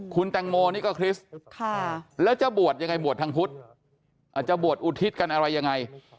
คุณแตงโมนี่ก็คริสต์แล้วจะบวชยังไงบวชทางพุทธอาจจะบวชอุทิศกันอะไรยังไง